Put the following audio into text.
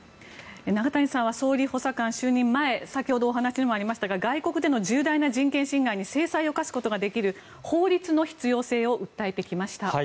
中谷さんは総理補佐官就任前先ほどお話にもありましたが外国での重大な人権侵害に制裁を科すことができる法律の必要性を訴えてきました。